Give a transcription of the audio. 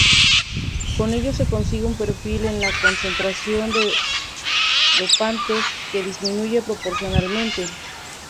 Con ello se consigue un perfil en la concentración de dopantes que disminuye proporcionalmente.